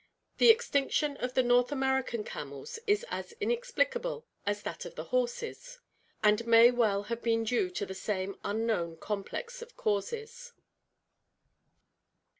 The extinction of the North American camels is as 640 ORGANIC EVOLUTION* inexplicable as that of the hordes, and may well have been doe to the same unknown complex of causes.